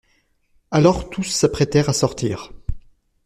Alors tous s'apprêtèrent à sortir.